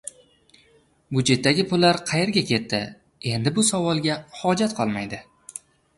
Budjetdagi pullar qayerga ketdi? Endi bu savolga hojat qolmaydi